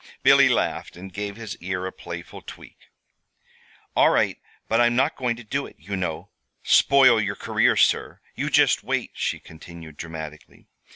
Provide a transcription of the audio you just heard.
Billy laughed, and gave his ear a playful tweak. "All right; but I'm not going to do it, you know spoil your career, sir. You just wait," she continued dramatically.